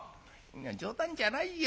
冗談じゃないよ